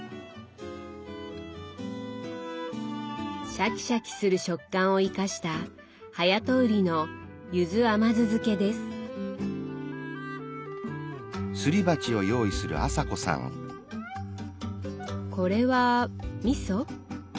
シャキシャキする食感を生かしたこれはみそ？